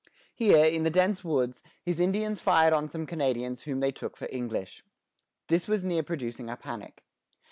Here, in the dense woods, his Indians fired on some Canadians whom they took for English. This was near producing a panic.